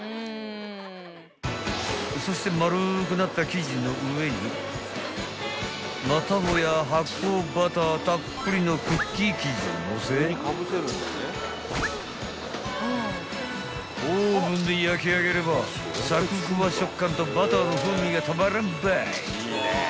［そして丸くなった生地の上にまたもや発酵バターたっぷりのクッキー生地をのせオーブンで焼き上げればサクふわ食感とバターの風味がたまらんばい］